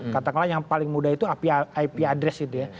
katakanlah yang paling mudah itu ip address gitu ya